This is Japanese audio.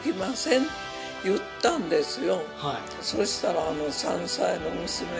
言ったんですよ。